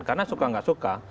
karena suka tidak suka